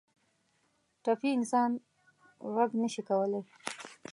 ټپي انسان غږ نه شي کولی.